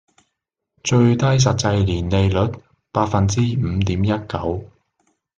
最低實際年利率︰百分之五點一九